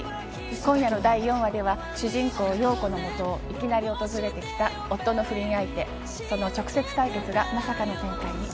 今夜の第４話では、主人公・陽子の元をいきなり訪ねてきた夫の不倫相手、その直接対決がまさかの展開に。